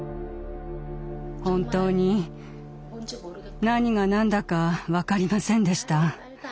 本当に何が何だか分かりませんでした。